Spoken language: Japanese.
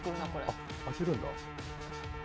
あっ開けるんだ。